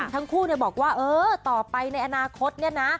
ทั้งคู่บอกว่าเออต่อไปในอนาคตเนี่ยนะ